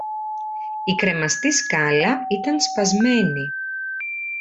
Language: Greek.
Η κρεμαστή σκάλα ήταν σπασμένη